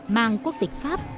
mang quốc tịch pháp